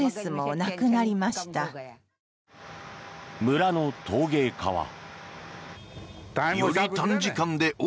村の陶芸家は。